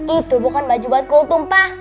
itu bukan baju buat kultum pa